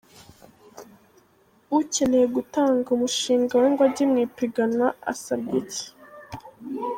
Ukeneye gutanga umushinga we ngo ujye mu ipiganwa asabwa iki ?.